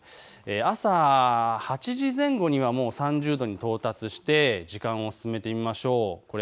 朝８時前後にはもう３０度に到達して、時間を進めてみましょう。